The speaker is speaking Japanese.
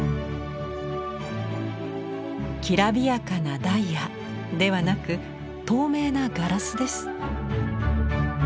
きらびやかなダイヤではなく透明なガラスです。